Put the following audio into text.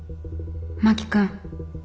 真木君。